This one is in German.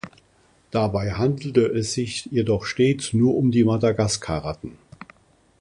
Dabei handelte es sich jedoch stets nur um die Madagaskar-Ratten.